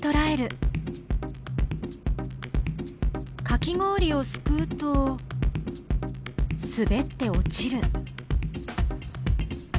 かき氷をすくうとすべって落ちる。